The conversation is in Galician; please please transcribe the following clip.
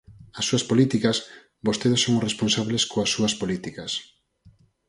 As súas políticas, vostedes son os responsables coas súas políticas.